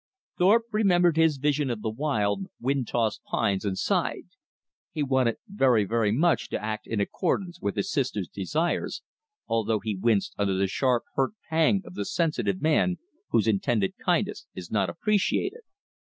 Thorpe remembered his vision of the wild, wind tossed pines, and sighed. He wanted very, very much to act in accordance with his sister's desires, although he winced under the sharp hurt pang of the sensitive man whose intended kindness is not appreciated.